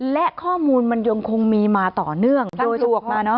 และข้อมูลมันยังคงมีมาต่อเนื่องโดยตัวออกมาเนอ